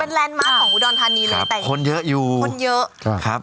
เป็นแรนดมาสของอุดรธานีเลยครับคนเยอะอยู่คนเยอะครับ